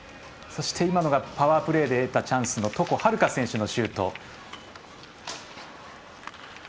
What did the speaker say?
そして、パワープレーで得たチャンスの床秦留可選手のシュート。